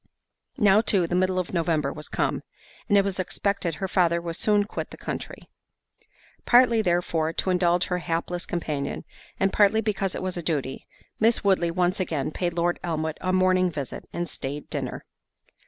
Now too, the middle of November was come, and it was expected her father would soon quit the country. Partly therefore to indulge her hapless companion, and partly because it was a duty, Miss Woodley once again paid Lord Elmwood a morning visit, and staid dinner.